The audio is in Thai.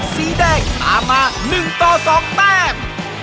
สีแดงตามมา๑ต่อ๒แต้ม